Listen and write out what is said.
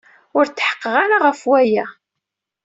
Ur tḥeqqeɣ ara ɣef waya.